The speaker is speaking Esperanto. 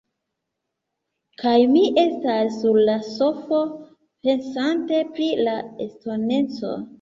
Kaj mi estas sur la sofo pensante pri la estoneco.